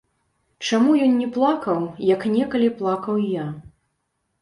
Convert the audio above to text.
Чаму ён не плакаў, як некалі плакаў я?